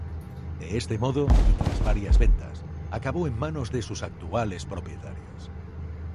De este modo, y tras varias ventas acabó en manos de sus actuales propietarios.